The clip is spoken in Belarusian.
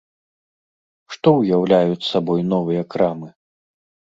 Што ўяўляюць сабой новыя крамы?